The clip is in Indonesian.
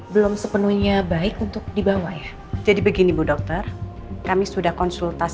biar aku aja yang ngomong kalau gitu